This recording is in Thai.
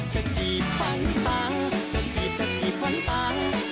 จะจีบพันธ์ปากจะจีบจะจีบพันธ์ปาก